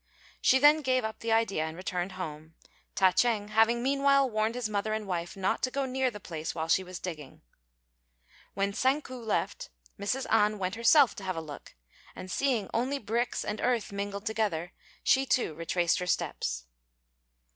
She then gave up the idea and returned home, Ta ch'êng having meanwhile warned his mother and wife not to go near the place while she was digging. When Tsang ku left, Mrs. An went herself to have a look, and seeing only bricks and earth mingled together, she, too, retraced her steps.